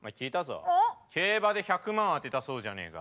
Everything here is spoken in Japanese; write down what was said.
競馬で１００万当てたそうじゃねえか。